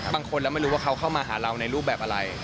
บางคนเราไม่รู้ว่าเขาเข้ามาหาเราในรูปแบบอะไร